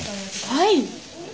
はい。